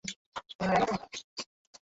ওর রক্ত পড়ছে!